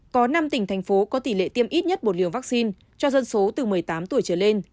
có năm tỉnh thành phố có tỷ lệ tiêm ít nhất một liều vaccine cho dân số từ một mươi tám tuổi trở lên